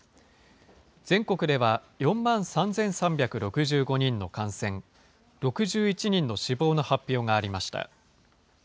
全国では４万３３６５人の感染、６１人の死亡の発表がありました。